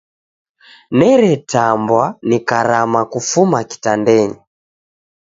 Neretambwa, nikarama kufuma kitandenyi!